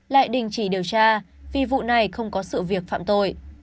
lại đình chỉ điều tra vì vụ này không có sự việc phạm tội